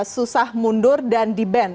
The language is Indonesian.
susah mundur dan di ban